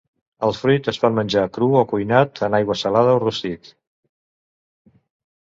El fruit es pot menjar cru o cuinat en aigua salada o rostit.